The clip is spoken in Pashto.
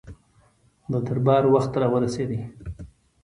د دربار وخت را ورسېدی.